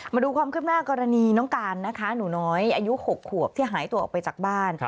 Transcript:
มาดูความคืบหน้ากรณีน้องการนะคะหนูน้อยอายุ๖ขวบที่หายตัวออกไปจากบ้าน